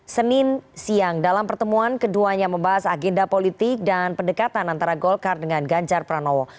senin siang dalam pertemuan keduanya membahas agenda politik dan pendekatan antara golkar dengan ganjar pranowo